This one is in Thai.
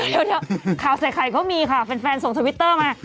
เดี๋ยวเขาใส่ใครเขามีค่ะแฟนส่งทวิตเตอร์มา